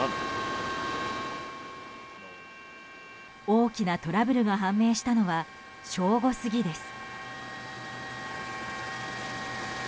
大きなトラブルが判明したのは正午過ぎです。